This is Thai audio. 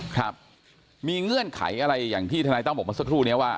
ครับมีเงื่อนไขอะไรอย่างที่ทนายตั้มบอกเมื่อสักครู่นี้ว่า